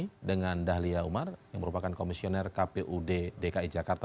kami mengulasnya malam hari ini dengan dahlia umar yang merupakan komisioner kpu dki jakarta